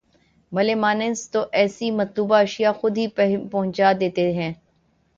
بھلے مانس تو ایسی مطلوبہ اشیاء خود ہی پہنچا دیتے ہیں۔